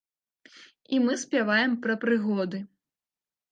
І мы спяваем пра прыгоды.